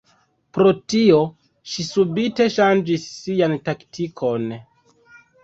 Pro tio, ŝi subite ŝanĝis sian taktikon.